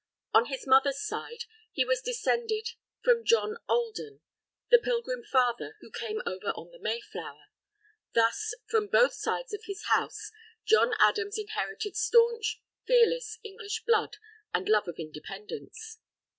On his mother's side, he was descended from John Alden, the Pilgrim Father who came over in the Mayflower. Thus, from both sides of his house, John Adams inherited staunch, fearless, English blood and love of Independence.